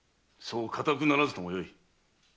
そうかたくならずともよい。